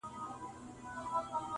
• له سره لمر او له ګرمۍ به کړېدله -